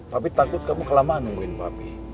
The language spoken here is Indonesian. tapi takut kamu kelamaan nungguin papi